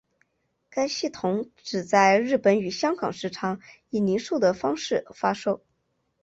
该系统只在日本与香港市场以零售的方式发售。